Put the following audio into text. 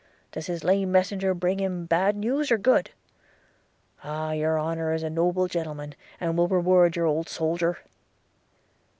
Does his lame messenger bring him bad news or good? – Ah, your honour is a noble gentleman, and will reward your old soldier!'